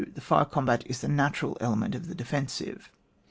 The fire combat is the natural ele ment of the defensive.